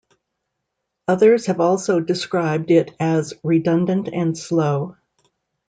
Others have also described it as redundant and slow.